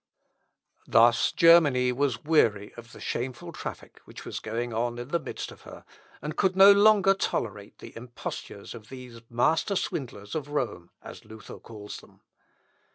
Thus Germany was weary of the shameful traffic which was going on in the midst of her, and could no longer tolerate the impostures of these master swindlers of Rome, as Luther calls them.